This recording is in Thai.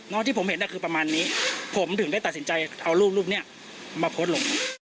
ที่ผมเห็นคือประมาณนี้ผมถึงได้ตัดสินใจเอารูปนี้มาโพสต์ลง